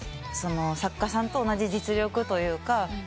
作家さんと同じ実力というか。